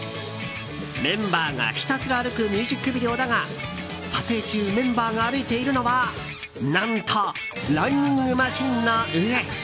メンバーがひたすら歩くミュージックビデオだが撮影中メンバーが歩いているのは何とランニングマシンの上。